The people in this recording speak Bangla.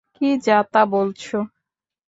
কী যা তা বলছো?